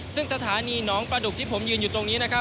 ซึ่งสถานีน้องปรารุกที่ผมยืนอยู่ตรงนี้